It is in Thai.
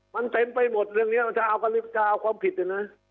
มันเต็มไปหมดเรื่องนี้มันจะเอากันหรือเปล่าเอาความผิดเนี่ยนะ